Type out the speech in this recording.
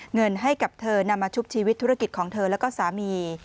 เงินให้กับเธอนำมาชุบชีวิตธุรกิจของเธอแล้วก็สามี